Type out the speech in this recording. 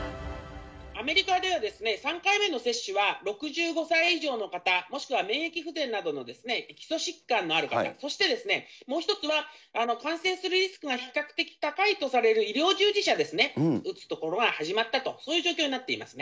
アメリカでは、３回目の接種は６５歳以上の方、もしくは免疫不全などの基礎疾患のある方、そしてもう一つは、感染するリスクが比較的高いとされる医療従事者ですね、打つところは始まったと、そういう状況になっていますね。